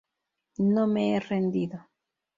No me he rendido.